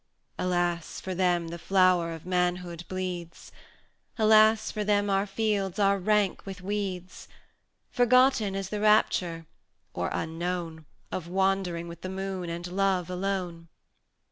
[fg] Alas! for them the flower of manhood bleeds; Alas! for them our fields are rank with weeds: Forgotten is the rapture, or unknown,[fh] Of wandering with the Moon and Love alone.